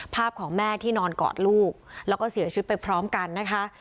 ของแม่ที่นอนกอดลูกแล้วก็เสียชีวิตไปพร้อมกันนะคะ